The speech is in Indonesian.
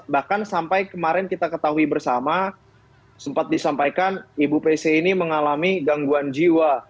bahkan sampai kemarin kita ketahui bersama sempat disampaikan ibu pc ini mengalami gangguan jiwa